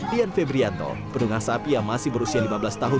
dian febrianto penunggang sapi yang masih berusia lima belas tahun